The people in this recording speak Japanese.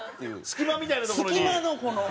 隙間みたいなところに？